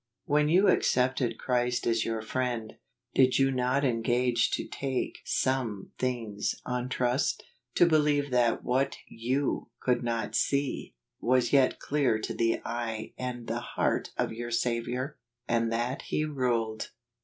When you accepted Christ as your Friend, did you not engage to take some things on trust — to believe that what you, could not see , was yet clear to the eye and the heart of your Saviour, and that He ruled